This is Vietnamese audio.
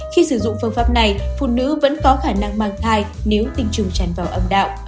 khi sử dụng phương pháp này phụ nữ vẫn có khả năng mang thai nếu tinh trùng tràn vào âm đạo âm hộ